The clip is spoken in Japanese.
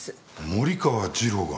森川次郎が。